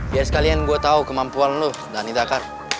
ya sekalian gua tau kemampuan lu dhani dakar